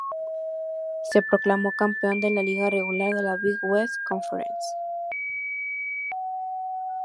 Se proclamó campeón de la liga regular de la Big West Conference.